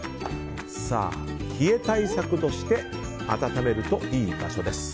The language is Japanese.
冷え対策として温めるといい場所です。